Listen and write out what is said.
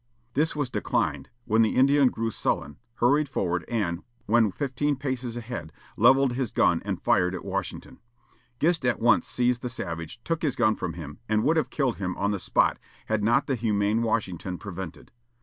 This was declined, when the Indian grew sullen, hurried forward, and, when fifteen paces ahead, levelled his gun and fired at Washington. Gist at once seized the savage, took his gun from him, and would have killed him on the spot had not the humane Washington prevented.